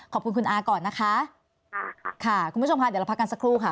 ขอบคุณคุณอาก่อนนะคะค่ะค่ะคุณผู้ชมค่ะเดี๋ยวเราพักกันสักครู่ค่ะ